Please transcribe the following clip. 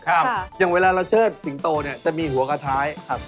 อย่างเวลาเราเชิดสิงโตเนี่ยจะมีหัวกระท้ายครับ